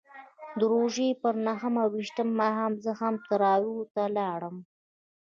د روژې پر نهه ویشتم ماښام زه هم تراویحو ته ولاړم.